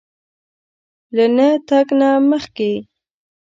له نه تګ نه مخکې